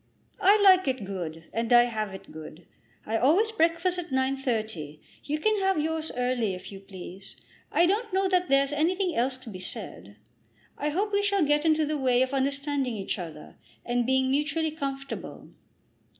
"I like it good, and I have it good. I always breakfast at 9.30. You can have yours earlier if you please. I don't know that there's anything else to be said. I hope we shall get into the way of understanding each other, and being mutually comfortable.